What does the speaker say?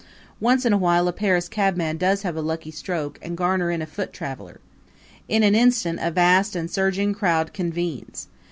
Once in a while a Paris cabman does have a lucky stroke and garner in a foot traveler. In an instant a vast and surging crowd convenes.